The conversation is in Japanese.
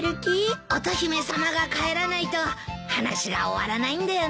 乙姫さまが帰らないと話が終わらないんだよな。